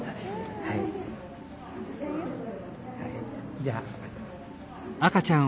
はいじゃあ。